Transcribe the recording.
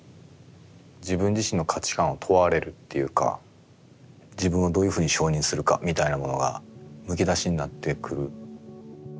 自分自身の価値観を問われるっていうか自分をどういうふうに承認するかみたいなものがむき出しになってくる。